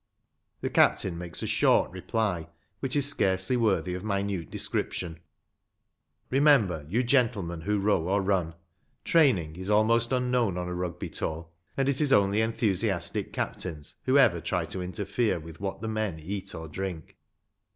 The captain makes a short reply, which is scarcely worthy of minute description. Remember, you gentlemen who row or run, training is almost 202 RUGBY FOOTBALL. unknown on a Rugby tour, and it is only enthusi astic captains who ever try to interfere with what the men eat or drink.